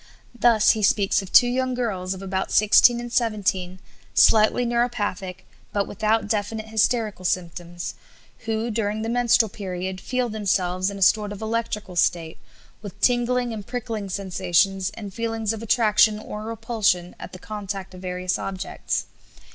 Thus, he speaks of two young girls of about 16 and 17, slightly neuropathic, but without definite hysterical symptoms, who, during the menstrual period, feel themselves in a sort of electrical state, "with tingling and prickling sensations and feelings of attraction or repulsion at the contact of various objects."